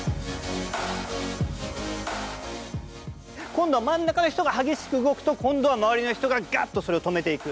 今度は真ん中の人が激しく動くと今度は周りの人がガッとそれを止めていく。